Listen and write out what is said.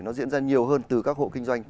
nó diễn ra nhiều hơn từ các hộ kinh doanh